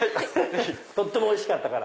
とってもおいしかったから。